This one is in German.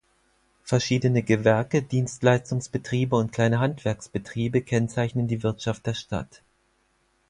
Verschiedene Gewerke, Dienstleistungsbetriebe und kleine Handwerksbetriebe kennzeichnen die Wirtschaft der Stadt.